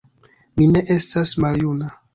Mi ne estas maljuna